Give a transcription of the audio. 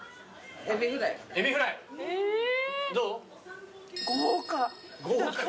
エビフライどう？